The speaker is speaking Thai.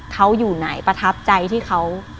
เขาอยู่ไหนประทับใจที่เขา